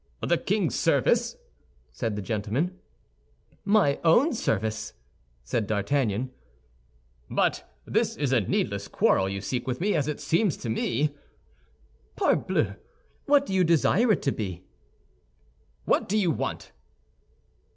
"The king's service!" said the gentleman. "My own service!" said D'Artagnan. "But this is a needless quarrel you seek with me, as it seems to me." "Parbleu! What do you desire it to be?" "What do you want?"